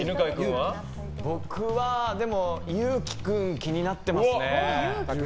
僕は、ゆうき君が気になってますね。